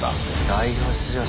代表出場数。